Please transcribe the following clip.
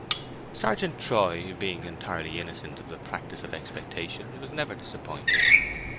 Sergeant Troy, being entirely innocent of the practice of expectation, was never disappointed.